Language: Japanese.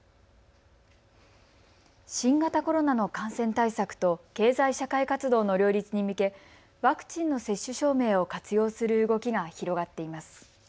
新型コロナの感染対策と経済社会活動の両立に向けワクチンの接種証明を活用する動きが広がっています。